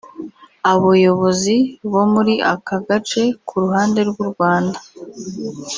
Aboyobozi bo muri aka gace ku ruhande rw’u Rwanda